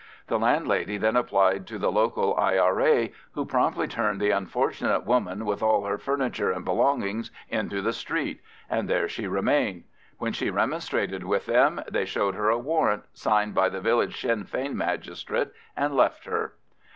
The landlady then applied to the local I.R.A., who promptly turned the unfortunate woman with all her furniture and belongings into the street, and there she remained. When she remonstrated with them they showed her a warrant signed by the village Sinn Fein magistrate and left her.